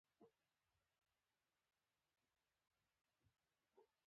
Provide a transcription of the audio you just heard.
هغه ورته ټيټ سو.